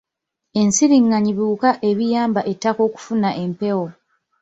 Ensiringanyi biwuka ebiyamba ettaka okufuna empewo.